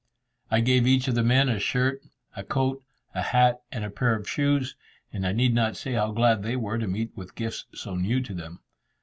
I gave each of the men a shirt, a coat, a hat, and a pair of shoes, and I need not say how glad they were to meet with gifts so new to them.